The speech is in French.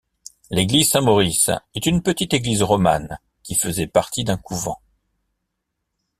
L'église Saint-Maurice est une petite église romane qui faisait partie d'un couvent.